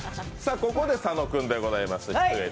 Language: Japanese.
ここで佐野君でございます。